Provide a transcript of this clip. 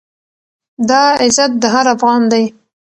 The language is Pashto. دا عزت د هر افــــغـــــــان دی،